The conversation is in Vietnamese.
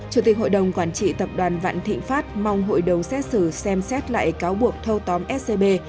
chủ tịch hội đồng quản trị tập đoàn vạn thịnh pháp mong hội đồng xét xử xem xét lại cáo buộc thâu tóm scb